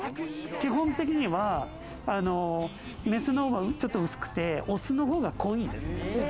基本的には、メスの方がちょっと薄くて、オスの方が濃いんです。